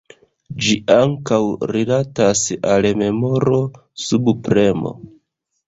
Ĝi ankaŭ rilatas al memoro subpremo.